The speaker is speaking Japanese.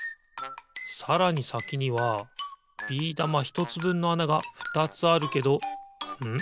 さらにさきにはビー玉ひとつぶんのあながふたつあるけどん？